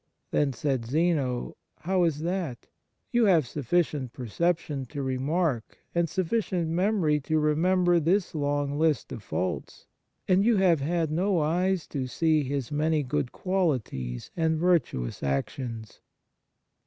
Then said Zeno, " How is that ? You have sufficient percep tion to remark, and sufficient memory to remember, this long list of faults, and you have had no eyes to see his many good qualities and virtuous actions."